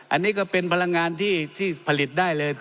อันนี้ก็เป็นพลังงานที่ผลิตได้เลย